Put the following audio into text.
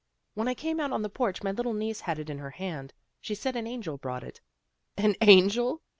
When I came out on the porch my little niece had it in her hand. She said an angel brought it." " An angel?